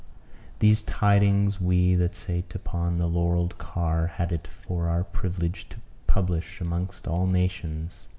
These tidings we that sate upon the laurelled car had it for our privilege to publish amongst all nations.